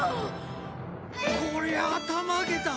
こりゃあたまげた！